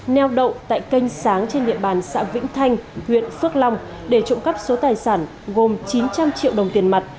neo đậu tại kênh sáng trên địa bàn xã vĩnh thanh huyện phước long để trộm cắp số tài sản gồm chín trăm linh triệu đồng tiền mặt